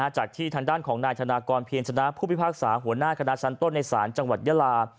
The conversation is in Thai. จากที่ทางด้านของนายธนากรเพียรชนะผู้พิพากษาหัวหน้าคณะชั้นต้นในศาลจังหวัดยาลา